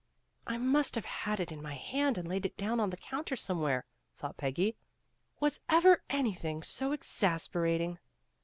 "I must have had it in my hand and laid it down on the counter somewhere," thought Peggy. 1 1 Was ever anything so exasperating.